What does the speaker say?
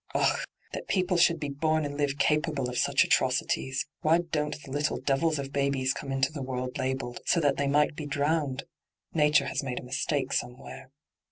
Ugh I that people should be bom and live capable of such atrocities I Why don't the little devils of babies come into the world labelled, so that they might be drowned? Nature has made a mistake somewhere.'